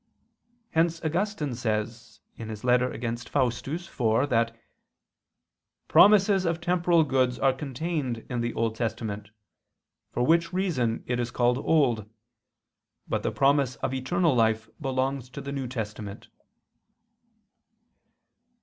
Hence Augustine says (Contra Faust. iv) that "promises of temporal goods are contained in the Old Testament, for which reason it is called old; but the promise of eternal life belongs to the New Testament."